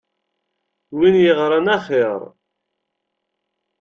Win yeɣran axir.